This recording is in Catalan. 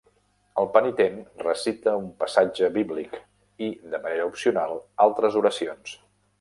El penitent recita un passatge bíblic i, de manera opcional, altres oracions.